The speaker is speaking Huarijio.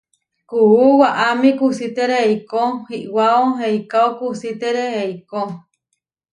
Kuú waʼámi kusítere eikó iʼwáo eikáo kusítere eikó.